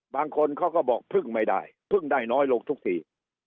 บางคนเขาก็บอกพึ่งไม่ได้พึ่งได้น้อยลงทุกที